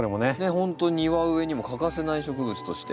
ほんと庭植えにも欠かせない植物として。